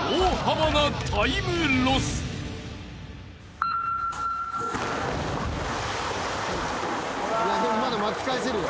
いやでもまだ巻き返せるよ。